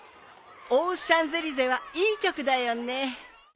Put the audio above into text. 『オ・シャンゼリゼ』はいい曲だよね。